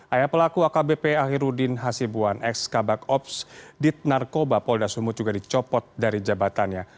ayah pelaku akbp ahirudin hasibuan ex kabak ops dit narkoba polda sumut juga dicopot dari jabatannya